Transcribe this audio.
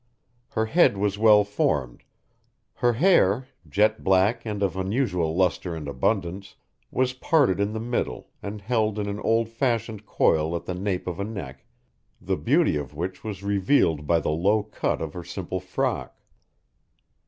Her head was well formed; her hair, jet black and of unusual lustre and abundance, was parted in the middle and held in an old fashioned coil at the nape of a neck the beauty of which was revealed by the low cut of her simple frock.